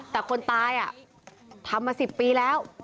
แต่คนตายทำมา๑๐ปีแล้ว